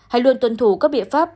hãy luôn tuân thủ các biện pháp